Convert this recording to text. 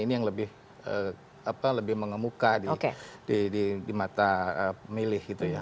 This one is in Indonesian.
ini yang lebih mengemuka di mata milih gitu ya